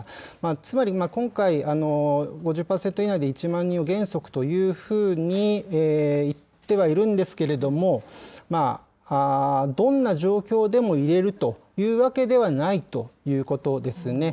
つまり、今回、５０％以内で１万人を原則にというふうに言ってはいるんですけれども、どんな状況でも入れるというわけではないということですね。